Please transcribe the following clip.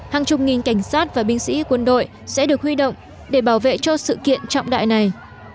hàng chục nghìn cảnh sát và binh sĩ quân đội sẽ được huy động để bảo vệ cho sự kiện trọng đại này